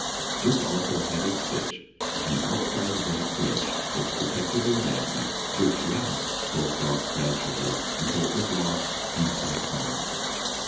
This also had its ditch and outside of that ditch its protected em bankment, which last sloped off gradually until it was lost in the flat ground.